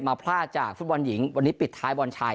พลาดจากฟุตบอลหญิงวันนี้ปิดท้ายบอลชาย